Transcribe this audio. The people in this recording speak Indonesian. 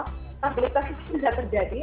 stabilitas itu tidak terjadi